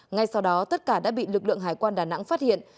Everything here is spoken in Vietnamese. ngay sau đó tất cả đã bị lực lượng hải quan đà nẵng phát hiện